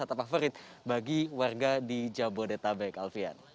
dan ini adalah destinasi wisata favorit bagi warga di jabodetabek alfian